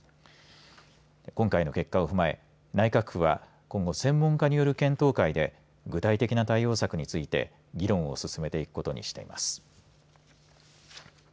今回の結果を踏まえ内閣府は今後専門家による検討会で具体的な対応策について議論を進めていくことにしています。